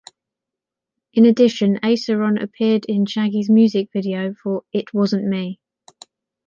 In addition, Aceron appeared in Shaggy's music video for "It Wasn't Me".